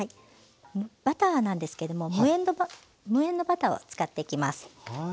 バターなんですけども無塩のバターを使っていきます。